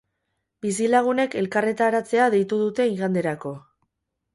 Bizilagunek elkarretaratzea deitu dute iganderako.